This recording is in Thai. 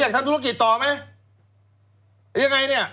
ทำธุรกิจต่อไหมยังไงเนี่ย